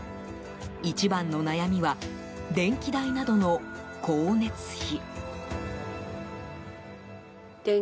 一番の悩みは電気代などの光熱費。